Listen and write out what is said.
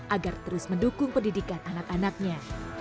agar terus mendukung pendidikan anak anaknya